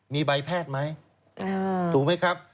มีใบแพทย์ไหมถูกไหมครับ